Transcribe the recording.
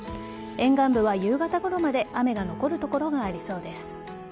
沿岸部は夕方ごろまで雨が残る所がありそうです。